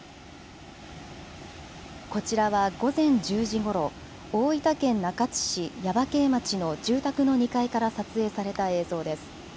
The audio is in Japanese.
こちらは午前１０時ごろ、大分県中津市耶馬溪町の住宅の２階から撮影された映像です。